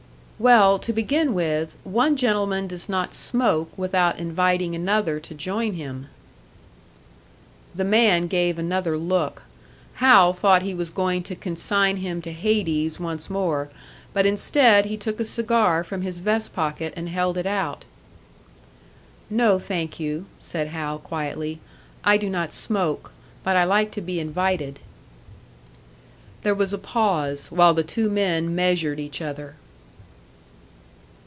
"Well, to begin with, one gentleman does not smoke without inviting another to join him." The man gave another look. Hal thought he was going to consign him to hades once more; but instead he took a cigar from his vest pocket and held it out. "No, thank you," said Hal, quietly. "I do not smoke. But I like to be invited." There was a pause, while the two men measured each other.